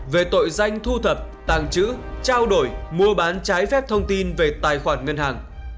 về tội danh thu thập tàng chữ trao đổi mua bán trái phép thông tin về tài khoản ngân hàng